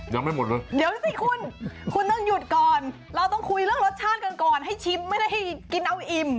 เดี๋ยวสิคุณคุณต้องให้ชิมไม่ได้ให้กินเอาอิ่ม